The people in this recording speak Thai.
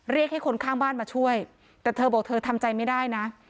เรียกให้คนข้างบ้านมาช่วยแต่เธอบอกเธอทำใจไม่ได้นะ